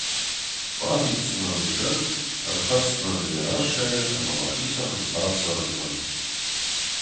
Бафиддзынӕн ирӕд, ӕрхӕсдзынӕн Дзерассӕйы ӕмӕ мӕхицӕн ӕнцад цӕрдзынӕн!